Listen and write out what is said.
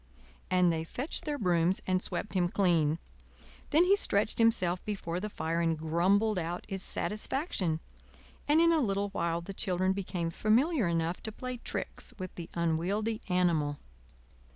And they fetched their brooms and swept him clean. Then he stretched himself before the fire and grumbled out his satisfaction; and in a little while the children became familiar enough to play tricks with the unwieldy animal.